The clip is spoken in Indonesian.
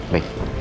baik terima kasih